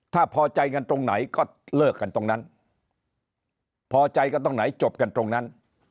ถ้าพอใจกันตรงไหนก็เลิกกันตรงนั้นพอใจกันตรงไหนจบกันตรงนั้น